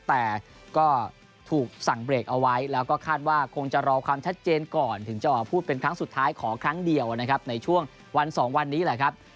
แต่ก็ถูกสั่งเบรกเอาไว้แล้วก็คาดว่าคงจะรอความชัดเจนก่อนถึงจะออกพูดเป็นครั้งสุดท้ายขอครั้งเดียวนะครับในช่วงวันสองวันนี้แหละครับ